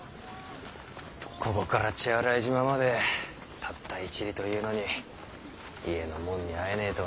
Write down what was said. ここから血洗島までたった１里というのに家の者に会えねぇとはな。